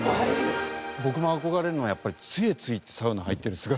僕も憧れるのはやっぱり杖ついてサウナ入ってる姿。